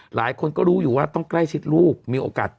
หลายคนก็รู้อยู่ว่าต้องใกล้ชิดลูกมีโอกาส